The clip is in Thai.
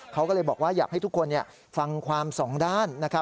เขาก็เลยบอกว่าอยากให้ทุกคนฟังความสองด้าน